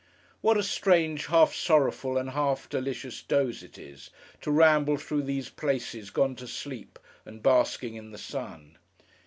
What a strange, half sorrowful and half delicious doze it is, to ramble through these places gone to sleep and basking in the sun!